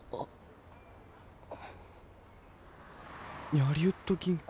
ニャリウッド銀行。